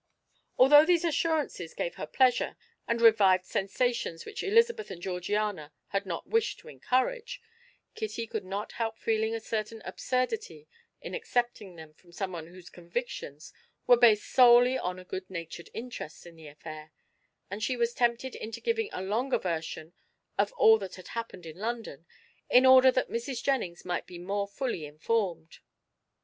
Although these assurances gave her pleasure and revived sensations which Elizabeth and Georgiana had not wished to encourage, Kitty could not help feeling a certain absurdity in accepting them from someone whose convictions were based solely on a good natured interest in the affair, and she was tempted into giving a longer version of all that had happened in London, in order that Mrs. Jennings might be more fully informed.